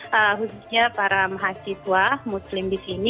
khususnya para mahasiswa muslim di sini